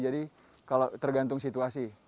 jadi tergantung situasi